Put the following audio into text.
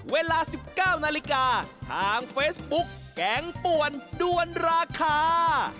เวลา๑๙นาฬิกาทางเฟซบุ๊กแกงป่วนด้วนราคา